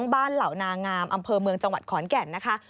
เหล่านางามอำเภอเมืองจังหวัดขอนแก่นนะคะ